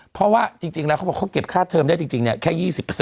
เพราะว่าจริงแล้วเขาบอกเขาเก็บค่าเทอมได้จริงแค่๒๐